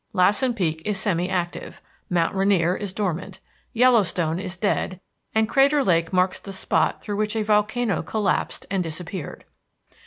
Lassen Peak is semi active; Mount Rainier is dormant; Yellowstone is dead, and Crater Lake marks the spot through which a volcano collapsed and disappeared.